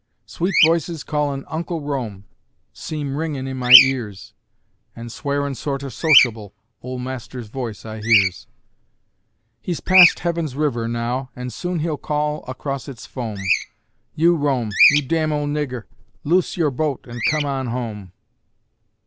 Sweet voices callin' "Uncle Rome" Seem ringin' in my ears; An' swearin' sorter sociable, Ol' Master's voice I hears. He's passed Heaven's River now, an' soon He'll call across its foam: "You, Rome, you damn ol' nigger, Loose your boat an' come on Home!"